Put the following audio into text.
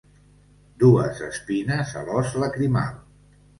Dues espines a l'os lacrimal.